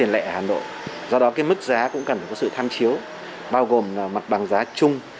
lẽ hà nội do đó cái mức giá cũng cần có sự tham chiếu bao gồm là mặt bằng giá chung